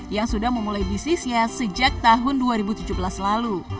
yang sudah memulai bisnisnya sejak tahun dua ribu tujuh belas lalu